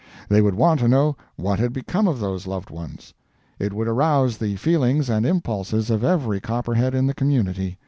They would want to know what had become of those loved ones. It would arouse the feelings and impulses of every Copperhead in the community.